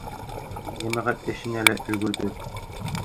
Йәмәғәт эшенә лә өлгөрҙөк.